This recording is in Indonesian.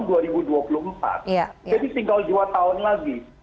jadi tinggal dua tahun lagi